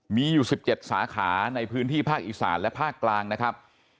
มีอยู่๑๗สาขาในพื้นที่ภาคอีสานและภาคกลางนะครับ